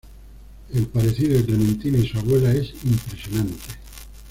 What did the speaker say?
El parecido de Clementina y su abuela es impresionante.